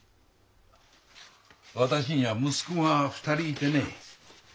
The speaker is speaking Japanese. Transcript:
私には息子が２人いてね。